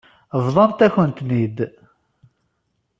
Bḍant-akent-ten-id.